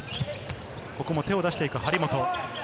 ここも手を出していく張本。